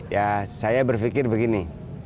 ya saya berpikir begini